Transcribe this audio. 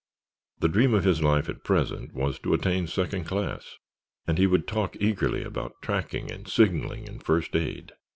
The dream of his life at present was to attain to second class, and he would talk eagerly about tracking and signalling and first aid.